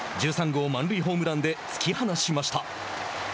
１３号満塁ホームランで突き放しました。